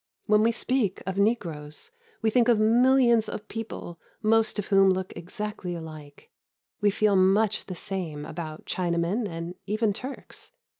When we speak of negroes, we think of millions of people most of whom look exactly alike. We feel much the same about Chinamen and even Turks.